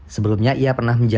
sebelumnya ia pernah berjaya